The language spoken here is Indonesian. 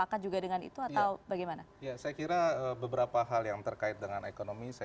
kita nanti membahas lagi setelah jeda